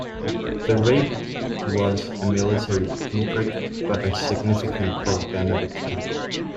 The raid was a military pinprick but a significant propaganda victory.